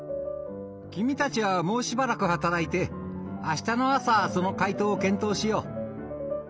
君たちはもうしばらく働いてあしたの朝その解答を検討しよう。